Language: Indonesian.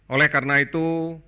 oleh karena itu